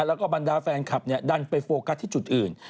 แล้วก็บรรดาแฟนคลับดันไปโฟกัสที่จุดอื่น